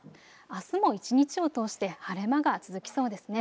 あすも一日を通して晴れ間が続きそうですね。